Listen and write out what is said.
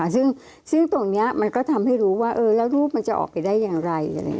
ซึ่งตรงนี้มันก็ทำให้รู้ว่าแล้วรูปมันจะออกไปได้อย่างไร